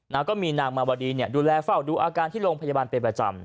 แล้วก็มีนางมาวดีเนี่ยดูแลเฝ้าดูอาการที่โรงพยาบาลเป็นประจำ